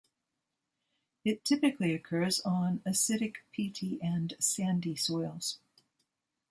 It typically occurs on acidic peaty and sandy soils.